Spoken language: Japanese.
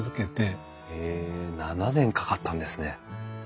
へえ７年かかったんですね。